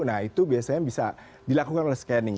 nah itu biasanya bisa dilakukan oleh scanning